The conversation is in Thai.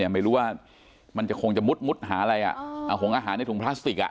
ไม่รู้ว่ามันจะคงจะมุดหาอะไรหงอาหารในถุงพลาสติก